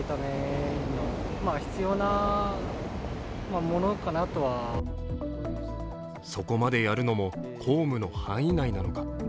街の人はそこまでやるのも公務の範囲内なのか。